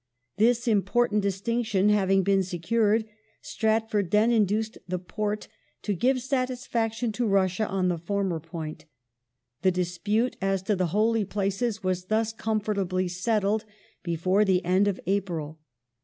This impoi tant distinction having been secured Stratford then induced the Porte to give satisfaction to Russia on the fonner point The dispute as to the Holy Places was thus comfortably settled before the end of April.